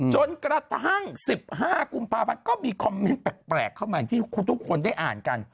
จนกระทั่ง๑๕กุมภาพันธ์ก็มีคอมเมนต์แปลกเข้ามาอย่างที่ทุกคนได้อ่านกัน